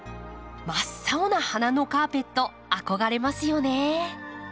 真っ青な花のカーペット憧れますよね。